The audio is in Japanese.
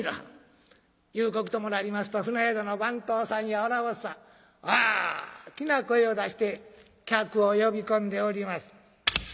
夕刻ともなりますと船宿の番頭さんや女子衆さん大きな声を出して客を呼び込んでおります。